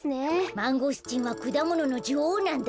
マンゴスチンはくだもののじょおうなんだよ。